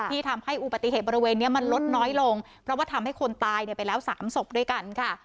ทำให้อุบัติเหตุบริเวณนี้มันลดน้อยลงเพราะว่าทำให้คนตายไปแล้ว๓ศพด้วยกันค่ะ